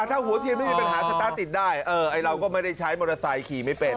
ถ้าหัวเทียนไม่มีปัญหาสตาร์ทติดได้เราก็ไม่ได้ใช้มอเตอร์ไซค์ขี่ไม่เป็น